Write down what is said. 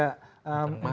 masih merasa hal itu